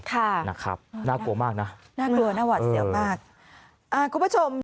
ค่ะนะครับน่ากลัวมากนะน่ากลัวน่าหวัดเสียวมากอ่าคุณผู้ชม